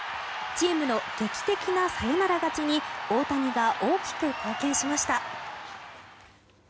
チームの劇的なサヨナラ勝ちに大谷が大きく貢献しました。